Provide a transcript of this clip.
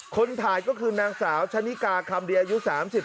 คนถ่ายก็คือนางสาวชะนิกาคำดีอายุ๓๓